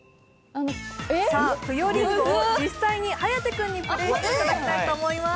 「ぷよりんご」を実際に颯君にプレーしてもらいたいと思います。